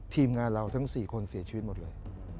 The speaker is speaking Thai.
ทีมงานเราทั้ง๔คนเสียชีวิตหมดเลย